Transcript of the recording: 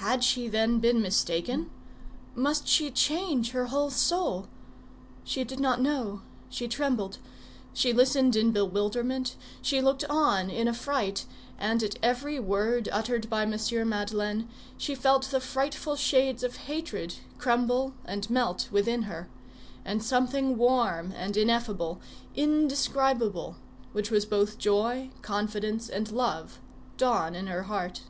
Had she, then, been mistaken? Must she change her whole soul? She did not know; she trembled. She listened in bewilderment, she looked on in affright, and at every word uttered by M. Madeleine she felt the frightful shades of hatred crumble and melt within her, and something warm and ineffable, indescribable, which was both joy, confidence and love, dawn in her heart.